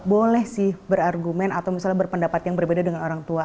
boleh sih berargumen atau misalnya berpendapat yang berbeda dengan orang tua